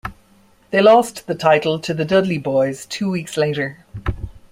They lost the title to the Dudley Boyz two weeks later.